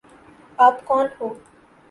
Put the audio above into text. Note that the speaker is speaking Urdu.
آپ کون ہو؟